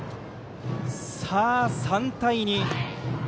さあ、３対２。